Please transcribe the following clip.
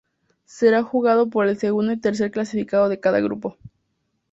Será jugado por el segundo y tercer clasificado de cada grupo.